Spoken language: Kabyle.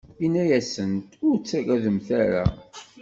Inna-asent: Ur ttagademt ara.